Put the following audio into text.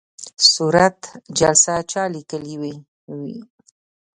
صورت جلسه چا لیکلې وي؟